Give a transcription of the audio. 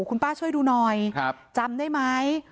คุณป้าช่วยดูหน่อยจำได้ไหม